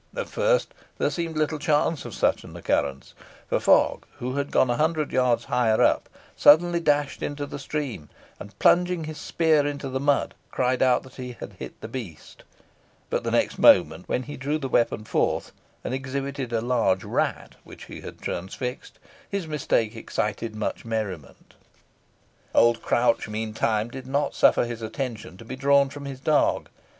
At first there seemed little chance of such an occurrence, for Fogg, who had gone a hundred yards higher up, suddenly dashed into the stream, and, plunging his spear into the mud, cried out that he had hit the beast; but the next moment, when he drew the weapon forth, and exhibited a large rat which he had transfixed, his mistake excited much merriment. Old Crouch, meantime, did not suffer his attention to be drawn from his dog.